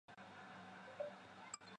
阿尔弗莱德？